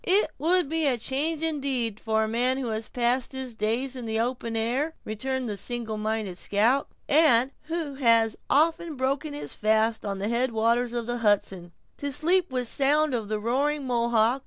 "It would be a change, indeed, for a man who has passed his days in the open air," returned the single minded scout; "and who has so often broken his fast on the head waters of the Hudson, to sleep within sound of the roaring Mohawk.